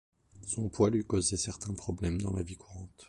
Son poids lui causait certains problèmes dans la vie courante.